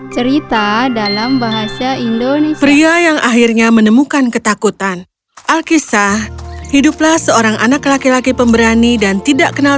cerita dalam bahasa indonesia